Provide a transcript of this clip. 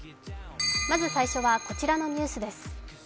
まず最初はこちらのニュースです。